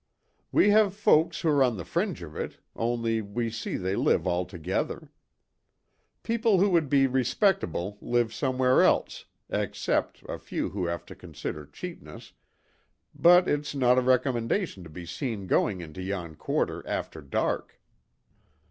"We have folks who're on the fringe of it, only we see they live all together. People who would be respectable live somewhere else, except, a few who have to consider cheapness, but it's no a recommendation to be seen going into yon quarter after dark."